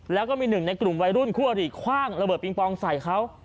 แล้วก็มีหนึ่งในกลุ่มวัยรุ่นคู่อริคว่างระเบิดปิงปองใส่เขา